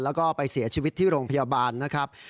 แล้วก็ไปเสียชีวิตที่โรงพยาบาลนะครับ